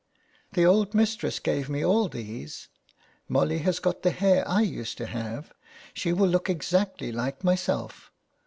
" The old mistress gave me all these. Molly has got the hair I used to have ; she will look exactly like myself.